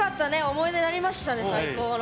思い出なりましたね最高の。